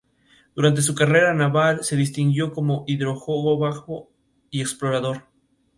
Durante su carrera naval se distinguió como hidrógrafo y explorador.